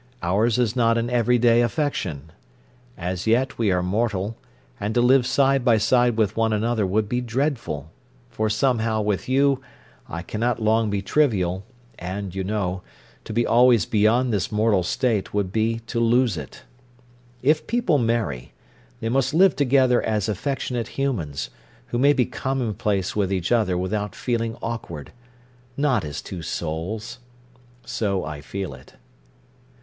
Ours is not an everyday affection. As yet we are mortal, and to live side by side with one another would be dreadful, for somehow with you I cannot long be trivial, and, you know, to be always beyond this mortal state would be to lose it. If people marry, they must live together as affectionate humans, who may be commonplace with each other without feeling awkward—not as two souls. So I feel it.